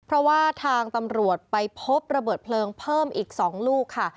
เพราะว่าทางตำรวจไปพบระเบิดเพลิงเพิ่มอีก๒ลูกค่ะ